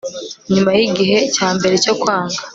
Nyuma yigihe cyambere cyo kwanga